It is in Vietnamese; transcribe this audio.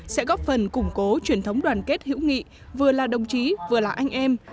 sẽ góp phần củng cố truyền thống đoàn kết hữu nghị vừa là đồng chí vừa là anh em